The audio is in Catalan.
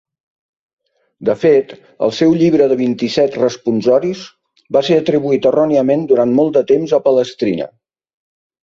De fet, el seu llibre de vint-i-set "responsoris" va ser atribuït erròniament durant molt de temps a Palestrina.